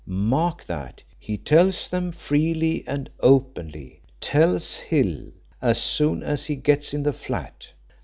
Mark that! he tells them freely and openly tells Hill as soon as he gets in the flat.